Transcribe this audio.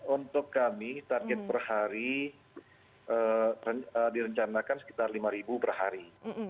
untuk kami target perhari direncanakan sekitar lima perhari